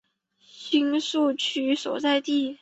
新宿区所在地。